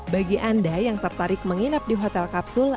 bagi anda yang tertarik menginap di hotel kapsul